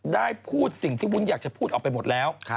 ได้พูดสิ่งที่วุ้นอยากจะพูดออกไปหมดแล้ว